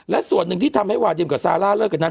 และส่วนหนึ่งที่ทำให้วาดิมกับซาร่าเลิกกันนั้น